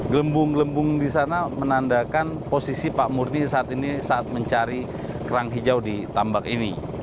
gelembung gelembung di sana menandakan posisi pak murni saat ini saat mencari kerang hijau di tambak ini